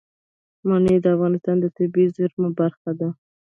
منی د افغانستان د طبیعي زیرمو برخه ده.